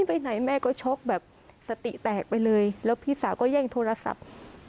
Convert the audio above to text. ไปไหนแม่ก็ชกแบบสติแตกไปเลยแล้วพี่สาวก็แย่งโทรศัพท์